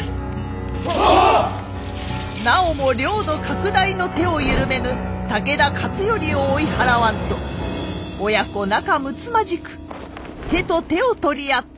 なおも領土拡大の手を緩めぬ武田勝頼を追い払わんと親子仲むつまじく手と手を取り合っておりました。